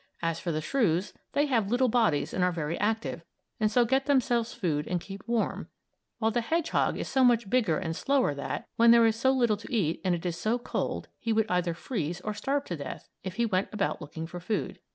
As for the shrews, they have little bodies and are very active, and so get themselves food and keep warm, while the hedgehog is so much bigger and slower that, when there is so little to eat and it is so cold, he would either freeze or starve to death if he went about looking for food.